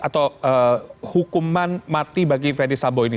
atau hukuman mati bagi fendi sabo ini